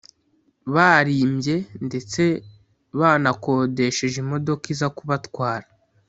barimbye ndetse banakodesheje imodoka iza kubatwara